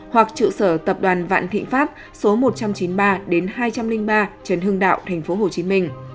hoặc trự sở tập đoàn vạn thị phát số một trăm chín mươi ba hai trăm linh ba trần hưng đạo tp hcm